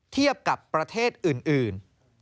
เทียบกับประเทศอื่น